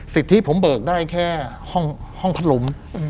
สิทธิผมเบิกได้แค่ห้องพัดลม